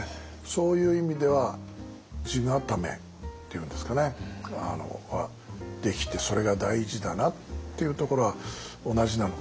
そういう意味では地固めっていうんですかねできてそれが大事だなっていうところは同じなのかもしれないですけど。